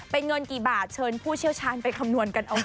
เป็นเงินกี่บาทเชิญผู้เชี่ยวชาญไปคำนวณกันเอาจ